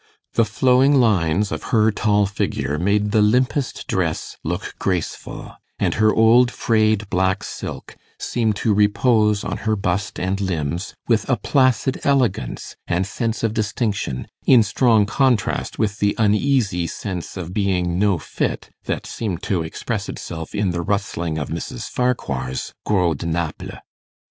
The flowing lines of her tall figure made the limpest dress look graceful, and her old frayed black silk seemed to repose on her bust and limbs with a placid elegance and sense of distinction, in strong contrast with the uneasy sense of being no fit, that seemed to express itself in the rustling of Mrs. Farquhar's gros de Naples.